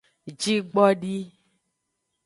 Jigbdi.